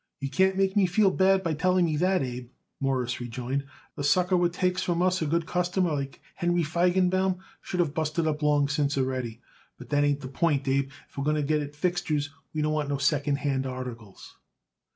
"You can't make me feel bad by telling me that, Abe," Morris rejoined. "A sucker what takes from us a good customer like Henry Feigenbaum should of busted up long since already. But that ain't the point, Abe. If we're going to get it fixtures, we don't want no second hand articles."